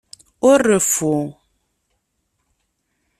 Ur reffu!